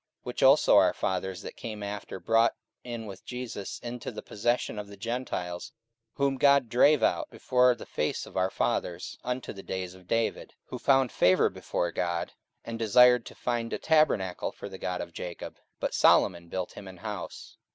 44:007:045 Which also our fathers that came after brought in with Jesus into the possession of the Gentiles, whom God drave out before the face of our fathers, unto the days of David; 44:007:046 Who found favour before God, and desired to find a tabernacle for the God of Jacob. 44:007:047 But Solomon built him an house.